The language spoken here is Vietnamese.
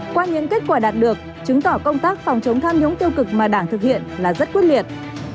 qua những kết quả đạt được chứng tỏ công tác phòng chống tham nhũng tiêu cực mà đảng thực hiện là rất quyết liệt